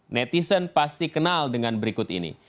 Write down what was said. netizen pasti kenal dengan berikut ini